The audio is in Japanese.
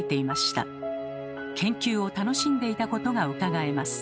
研究を楽しんでいたことがうかがえます。